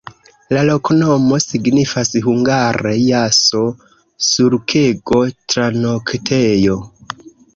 La loknomo signifas hungare jaso-sulkego-tranoktejo.